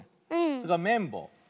それからめんぼう。